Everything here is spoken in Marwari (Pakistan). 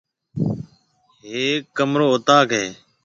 ھيَََڪ ڪمر اوطاق ھيََََ